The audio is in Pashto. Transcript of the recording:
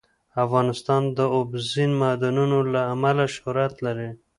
افغانستان د اوبزین معدنونه له امله شهرت لري.